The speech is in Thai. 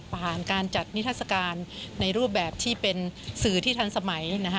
ผ่านการจัดนิทัศกาลในรูปแบบที่เป็นสื่อที่ทันสมัยนะฮะ